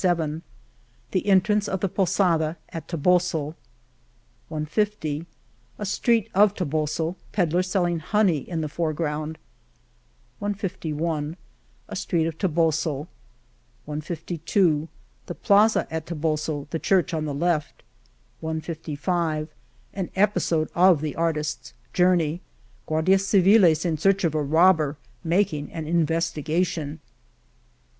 146 The entrance of the posada at Toboso, .. ,14^ A street of Toboso, a pedler selling honey in the fore ground, 1^0 A street of Toboso, i^i The plaza at Toboso, the church on the left, .. 1^2 An episode of the artisfs journey : Guardias Civiles, in search of a robber, making an investigation